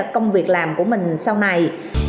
công việc làm của mình sau này